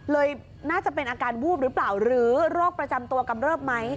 เลยน่าจะเป็นอาการวูบหรือเปล่าหรือโรคประจำตัวกำเริบไหม